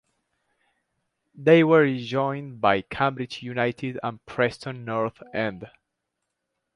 They were joined by Cambridge United and Preston North End.